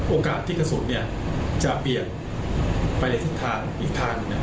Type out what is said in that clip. โอกาสใต้กระสุนเนี่ยจะเปลี่ยนไปในทางอีกทางหนึ่งเนี่ย